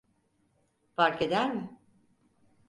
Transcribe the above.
Fark eder mi?